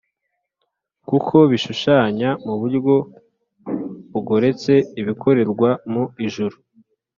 kuko bishushanya mu buryo bugoretse ibikorerwa mu ijuru